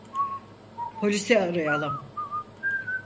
Polisi arayalım.